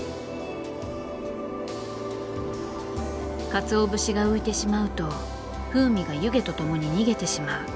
かつお節が浮いてしまうと風味が湯気と共に逃げてしまう。